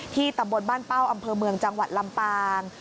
ตำบลบ้านเป้าอำเภอเมืองจังหวัดลำปาง